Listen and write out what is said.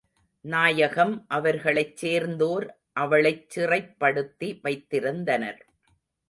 நாயகம் அவர்களைச் சேர்ந்தோர் அவளைச் சிறைப்படுத்தி வைத்திருந்தனர்.